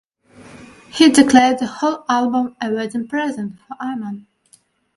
He declared the whole album "a wedding present" for Iman.